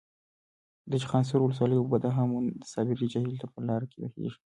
د چخانسور ولسوالۍ اوبه د هامون صابري جهیل ته په لاره کې بهیږي.